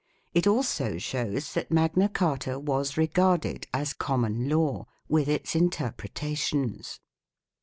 3 It also shows that Magna Carta was regarded as common law, with its interpretations.